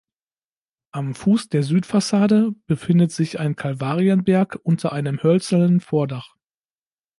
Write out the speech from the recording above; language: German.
Am Fuß der Südfassade befindet sich ein Kalvarienberg unter einem hölzernen Vordach.